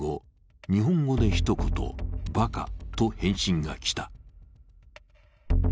日本語で一言「バカ」と返信が来た。